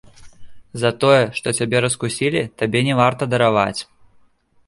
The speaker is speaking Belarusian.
За тое, што цябе раскусілі, табе не варта дараваць.